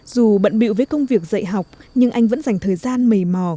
dù bận biệu với công việc dạy học nhưng anh vẫn dành thời gian mầy mò